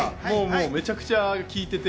めちゃくちゃ聴いていて。